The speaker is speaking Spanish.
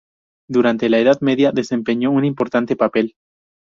Durante la Edad Media desempeñó un importante papel.